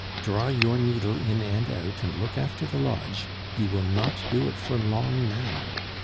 Draw your needle in and out, and look after the lodge; you will not do it for long now.